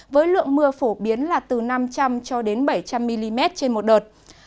với lượng mưa phổ biến là từ nam đông